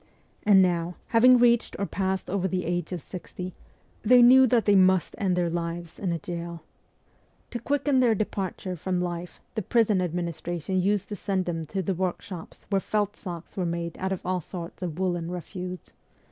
And now, having reached or passed over the age of sixty, they knew that they must end their lives in a gaol. To quicken their departure from life the prison administration used to send them to the workshops where felt socks were made out of all sorts of woollen refuse.